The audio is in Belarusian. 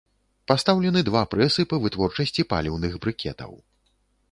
Пастаўлены два прэсы па вытворчасці паліўных брыкетаў.